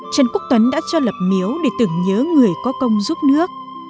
trần quốc tuấn đã cho lập miếu để tưởng nhớ người có công giúp nước